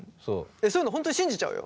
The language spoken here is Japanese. そういうの本当に信じちゃうよ？